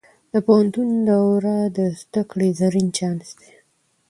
د پوهنتون دوره د زده کړې زرین چانس دی.